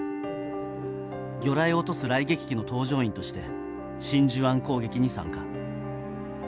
魚雷を落とす雷撃機の搭乗員として真珠湾攻撃に参加。